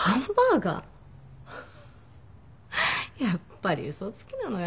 やっぱり嘘つきなのよ